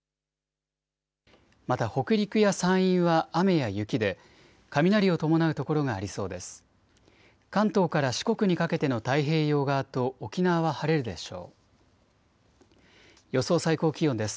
また北陸や山陰は雨や雪で雷を伴う所がありそうです。